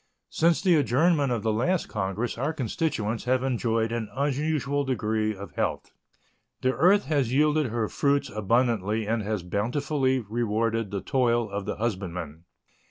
Since the adjournment of the last Congress our constituents have enjoyed an unusual degree of health. The earth has yielded her fruits abundantly and has bountifully rewarded the toil of the husbandman.